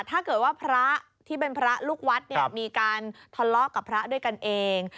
ถ้าเกิดว่าพระที่เป็นพระลูกวัดเนี่ยมีการทะเลาะกับพระด้วยกันเอง